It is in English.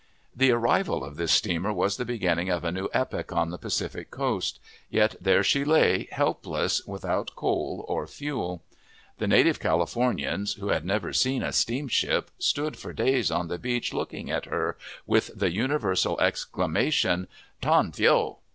The arrival of this steamer was the beginning of a new epoch on the Pacific coast; yet there she lay, helpless, without coal or fuel. The native Californians, who had never seen a steamship, stood for days on the beach looking at her, with the universal exclamation, "Tan feo!"